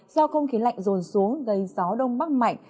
do không khí lạnh rồn xuống gây gió đông bắc mạnh